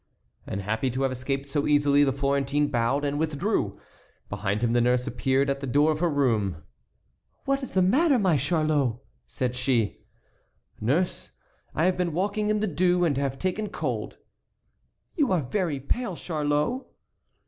And happy to have escaped so easily the Florentine bowed and withdrew. Behind him the nurse appeared at the door of her room. "What is the matter, my Charlot?" said she. "Nurse, I have been walking in the dew, and have taken cold." "You are very pale, Charlot."